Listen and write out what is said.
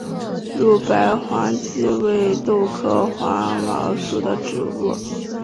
乳白黄耆为豆科黄芪属的植物。